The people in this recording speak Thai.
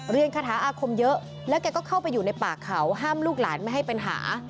เรียนคาถาอาคมเยอะและเขาก็เข้าไปอยู่ในปากเขาห้ามลูกหลานไม่ให้เป็นหา